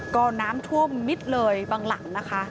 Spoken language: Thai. ก็น้ำท่วมมิดเลยบางหลังนะคะ